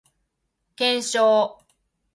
検証